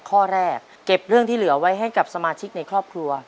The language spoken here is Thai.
ข้อแรกเก็บเรื่องที่เหลือไว้ให้กับสมาชิกในครอบครัว